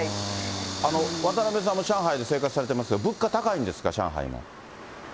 渡辺さんも上海で生活されてますが、物価高いんですか？